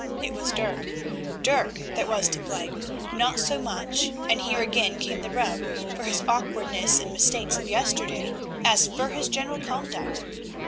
It was Dirk—Dirk—that was to blame, not so much—and here again came the rub—for his awkwardness and mistakes of yesterday, as for his general conduct.